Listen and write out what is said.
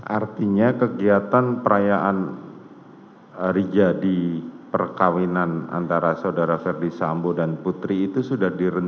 artinya kegiatan perayaan rija di perkawinan antara saudara verdi sambo dan putri itu sudah dikabur